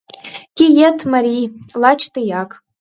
Киет, марий, лач тыяк.